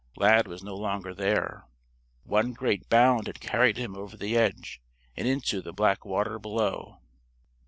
Lad was no longer there. One great bound had carried him over the edge and into the black water below.